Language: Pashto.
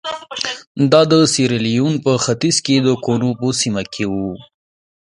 دا د سیریلیون په ختیځ کې د کونو په سیمه کې وو.